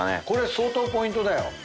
これ相当ポイントだよ。